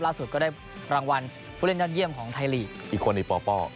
ล่าสุดก็ได้รางวัลผู้เล่นด้านเยี่ยมของไทยหลีอีกคนอีกป๊อปป้อค่ะ